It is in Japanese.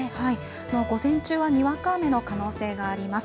午前中はにわか雨の可能性があります。